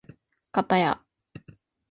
かたや